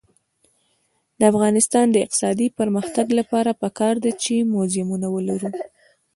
د افغانستان د اقتصادي پرمختګ لپاره پکار ده چې موزیمونه ولرو.